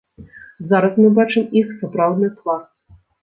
Зараз мы бачым іх сапраўдны твар.